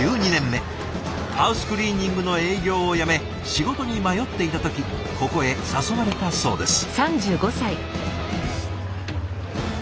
ハウスクリーニングの営業を辞め仕事に迷っていた時ここへ誘われたそうです。